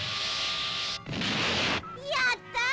「やった！